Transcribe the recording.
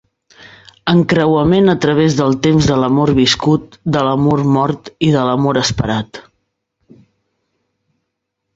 Encreuament a través del temps de l'amor viscut, de l'amor mort i de l'amor esperat.